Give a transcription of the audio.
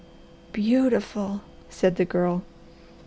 "Beautiful!" said the Girl.